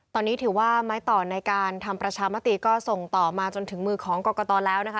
ตอนนี้ถือว่าไม้ต่อในการทำประชามติก็ส่งต่อมาจนถึงมือของกรกตแล้วนะคะ